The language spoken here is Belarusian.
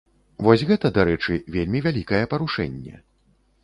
Вось гэта, дарэчы, вельмі вялікае парушэнне.